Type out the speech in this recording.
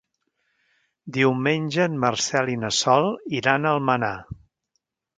Diumenge en Marcel i na Sol iran a Almenar.